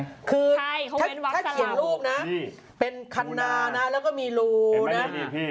คือถ้าเขียนรูปนะเป็นคันนานะแล้วก็มีรูนะ